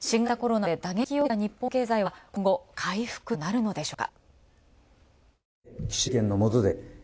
新型コロナで打撃を受けた日本経済は今後、回復となるのでしょうか？